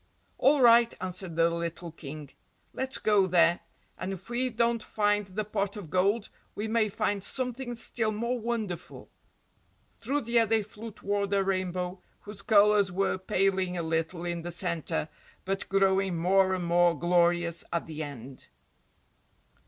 "All right," answered the little King, "let's go there, and if we don't find the pot of gold we may find something still more wonderful." Through the air they flew toward the rainbow, whose colours were paling a little in the center, but growing more and more glorious at the end.